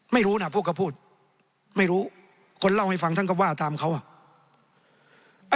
ไม่รู้นะพูดก็พูดไม่รู้คนเล่าให้ฟังท่านก็ว่าตามเขาอ่ะ